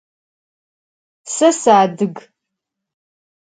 Se sıadıg.